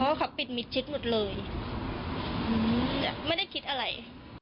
เพราะเขาปิดมิดชิดหมดเลยไม่ได้คิดอะไร